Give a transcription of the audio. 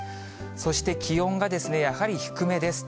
そして、気温がやはり低めです。